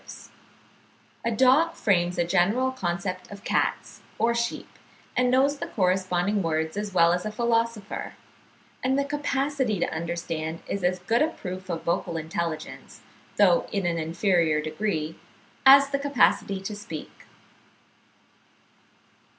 'Essays on Free Thinking,' etc., 1873, p. 82.), "A dog frames a general concept of cats or sheep, and knows the corresponding words as well as a philosopher. And the capacity to understand is as good a proof of vocal intelligence, though in an inferior degree, as the capacity to speak."